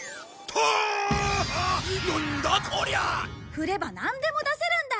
振ればなんでも出せるんだ！